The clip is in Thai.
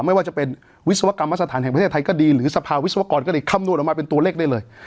ไม่ว่าจะเป็นวิศวกรรมสถานแห่งประเทศไทยก็ดีหรือสภาวิศวกรก็ดีคำนวณออกมาเป็นตัวเลขได้เลย